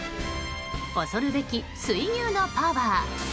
恐るべき水牛のパワー。